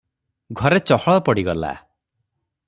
ଘରେ ଚହଳ ପଡ଼ିଗଲା ।